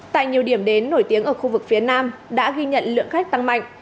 tại nhiều điểm đến nổi tiếng ở khu vực phía nam đã ghi nhận lượng khách tăng mạnh